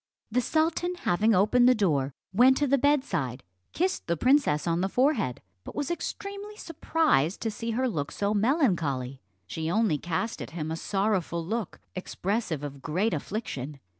The sultan having opened the door, went to the bedside, kissed the princess on the forehead, but was extremely surprised to see her look so melancholy. She only cast at him a sorrowful look, expressive of great affliction.